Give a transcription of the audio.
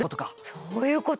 どういうこと？